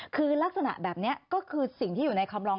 คือลักษณะแบบนี้ก็คือสิ่งที่อยู่ในคำลอง